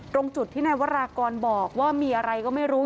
ตรงจุดที่นายวรากรบอกว่ามีอะไรก็ไม่รู้